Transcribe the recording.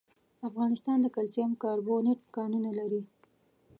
افغانستان د کلسیم کاربونېټ کانونه لري.